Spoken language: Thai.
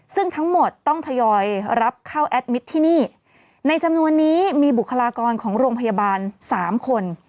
ซึ่งทั้งหมดต้องทยอยรับเข้าแอดมิตรที่นี่ในจำนวนนี้มีบุคลากรของโรงพยาบาลสามคน